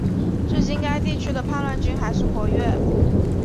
至今该地区的叛乱军还是活跃。